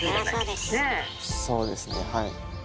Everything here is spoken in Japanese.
そうですねはい。